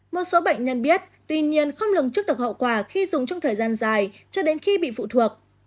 một số bệnh nhân biết tuy nhiên không lường trước được hậu quả khi dùng trong thời gian dài cho đến khi bị phụ thuộc